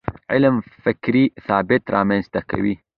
علم فکري ثبات رامنځته کوي.